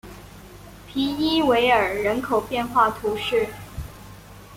皮伊韦尔人口变化图示